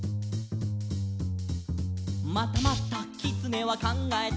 「またまたきつねはかんがえた」